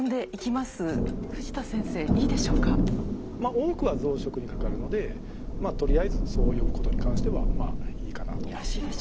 多くは増殖にかかるのでとりあえずそう呼ぶことに関してはいいかなとは思います。